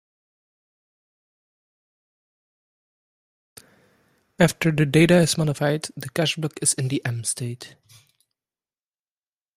After the data is modified, the cache block is in the "M" state.